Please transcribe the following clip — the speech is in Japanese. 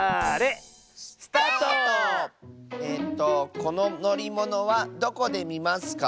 えとこののりものはどこでみますか？